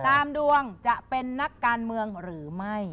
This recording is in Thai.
ดวงจะเป็นนักการเมืองหรือไม่